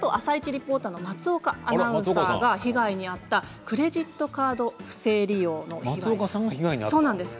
リポーターの松岡アナウンサーが被害に遭ったクレジットカードの不正利用の被害です。